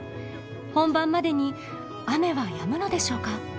本番までに雨はやむのでしょうか？